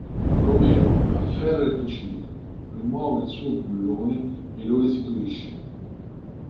Romero afferra il fucile, rimuove il suo bullone e lo restituisce.